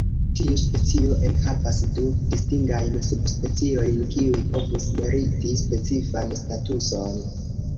Tiu specio enhavas du distingajn subspeciojn kiuj povus meriti specifan statuson.